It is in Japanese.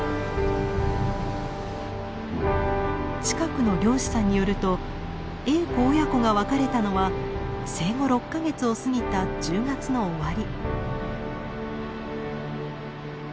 近くの漁師さんによるとエーコ親子が別れたのは生後６か月を過ぎた１０月の終わり。